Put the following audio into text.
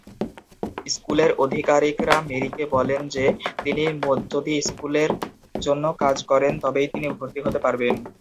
স্কুলের আধিকারিকরা মেরিকে বলেন যে তিনি যদি স্কুলের জন্য কাজ করেন তবেই তিনি ভর্তি হতে পারবেন।